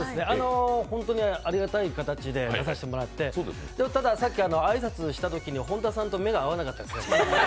ホントにありがたい形で出させてもらって、ただ、さっき挨拶したときに本田さんと目が合わなかったです。